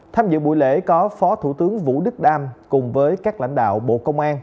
tham dự buổi lễ có phó thủ tướng vũ đức đam cùng với các lãnh đạo bộ công an